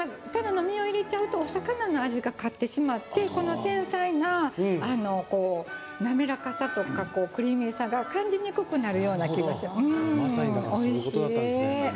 身を入れちゃうとお魚の味が勝ってしまってこの繊細な、なめらかさとかクリーミーさが感じにくくなるような気がする。